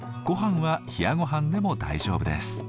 ごはんは冷やごはんでも大丈夫です。